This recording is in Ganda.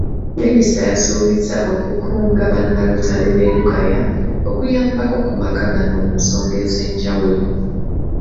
Minisita yasuubizza okukunga bannalotale b'e Lukaya, okuyambako ku maka gano musonga ez'ejawulo.